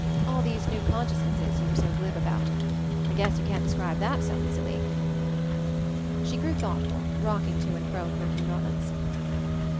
All these new conscious nesses you were so glib about. I guess you can't describe that so easily." She grew thoughtful, rocking to and fro for a few moments.